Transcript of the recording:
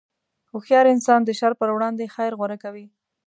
هوښیار انسان د شر پر وړاندې خیر غوره کوي.